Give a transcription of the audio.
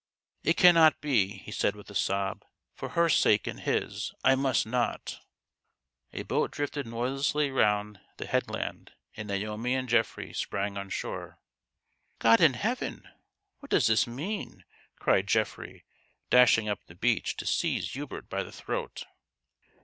" It cannot be !" he said with a sob. " For her sake and his, I must not !" A boat drifted noiselessly round the head land, and Naomi and Geoffrey sprang on shore. " God in Heaven, what does this mean ?" cried Geoffrey, dashing up the beach, to seize Hubert by the throat.